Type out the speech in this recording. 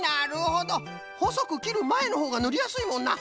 ほそくきるまえのほうがぬりやすいもんな。